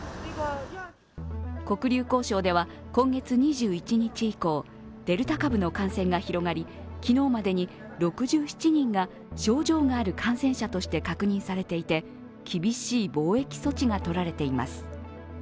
黒竜江省では今月２１日以降デルタ株の感染が広がり昨日までに６７人が症状がある感染者として確認されていて厳しい防疫措置がとられています。